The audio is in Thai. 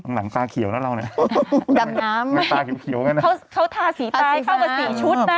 หลังตาเขียวนะเราเนี้ยดำน้ำเขาทาสีตายเข้าไปสีชุดน่ะ